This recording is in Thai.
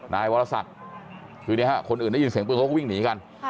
นายวรศักดิ์คือคนอื่นได้ยินเสียงปืนเขาก็วิ่งหนีกัน